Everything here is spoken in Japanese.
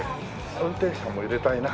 運転士さんも入れたいな。